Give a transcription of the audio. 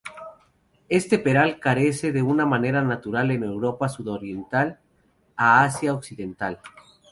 Este peral crece de manera natural en Europa sudoriental a Asia occidental.